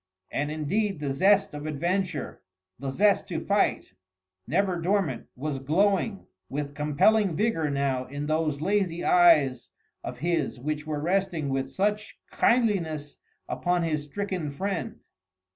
And indeed the zest of adventure, the zest to fight, never dormant, was glowing with compelling vigour now in those lazy eyes of his which were resting with such kindliness upon his stricken friend.